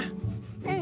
うん。